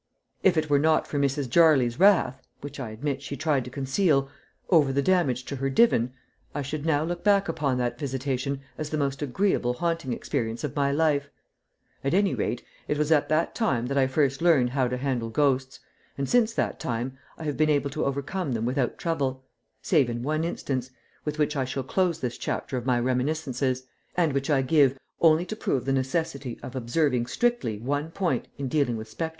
If it were not for Mrs. Jarley's wrath which, I admit, she tried to conceal over the damage to her divan, I should now look back upon that visitation as the most agreeable haunting experience of my life; at any rate, it was at that time that I first learned how to handle ghosts, and since that time I have been able to overcome them without trouble save in one instance, with which I shall close this chapter of my reminiscences, and which I give only to prove the necessity of observing strictly one point in dealing with spectres.